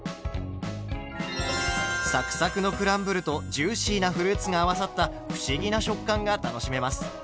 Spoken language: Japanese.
サクサクのクランブルとジューシーなフルーツが合わさった不思議な食感が楽しめます。